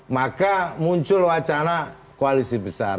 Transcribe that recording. maka muncul wacana koalisi besar